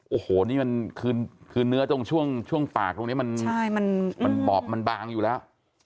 โอ้โหนี่มันคือคือเนื้อตรงช่วงช่วงปากตรงนี้มันใช่มันมันบาบมันบางอยู่แล้ว